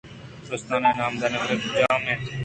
بلوچستان ءِ نامداریں ورگ کُجام اَنت؟